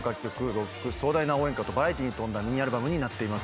ロック壮大な応援歌とバラエティーに富んだミニアルバムになっています。